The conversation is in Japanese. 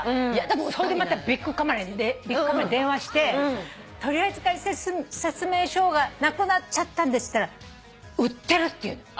それでまたビックカメラに電話して取扱説明書がなくなったんですって言ったら売ってるっていうの。